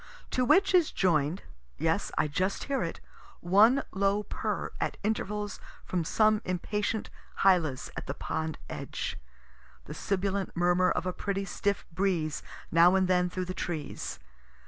To which is join'd, (yes, I just hear it,) one low purr at intervals from some impatient hylas at the pond edge. The sibilant murmur of a pretty stiff breeze now and then through the trees.